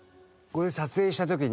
これを撮影した時に。